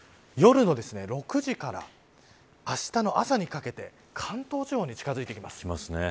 今度は夜の６時からあしたの朝にかけて関東地方に近づいてきます。